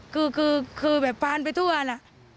ก็คือคือแบบปานไปทุกประเด็น